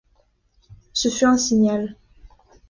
Ce fut un signal.